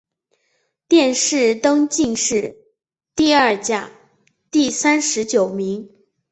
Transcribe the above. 殿试登进士第二甲第三十九名。